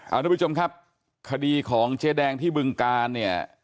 เอาทุกผู้ชมครับคดีของเจ๊แดงที่บึงการเนี่ย